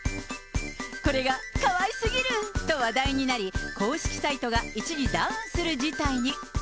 これがかわいすぎると話題になり、公式サイトが一時ダウンする事態に。